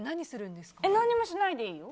何もしないでいいよ。